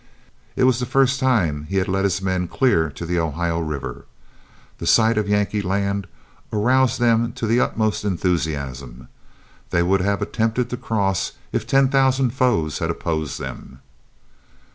It was the first time he had led his men clear to the Ohio River. The sight of Yankee land aroused them to the utmost enthusiasm. They would have attempted to cross if ten thousand foes had opposed them.